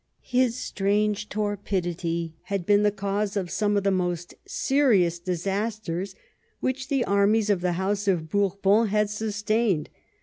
His strange torpidity had been the cause of some of the most seri ous disasters which the armies of the house of Bourbon had sustained.